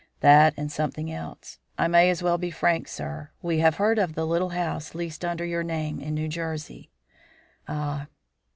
"That, and something else. I may as well be frank, sir. We have heard of the little house, leased under your name, in New Jersey." "Ah!"